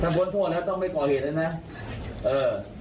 ถ้าบอกว่านั้นธงไม่ปลอเขตนะนะ